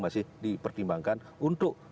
masih dipertimbangkan untuk